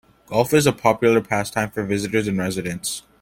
Golf is a popular pastime for visitors and residents.